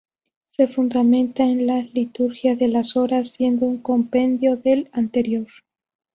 Se fundamentan en la "Liturgia de las Horas", siendo un compendio del anterior.